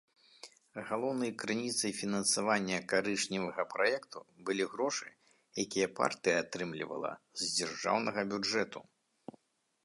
Галоўнай крыніцай фінансавання карычневага праекту былі грошы, якія партыя атрымлівала з дзяржаўнага бюджэту.